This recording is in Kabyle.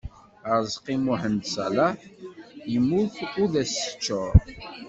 Aṛeẓqi Muḥend Ṣaleḥ, yemmut ur d as-teččur.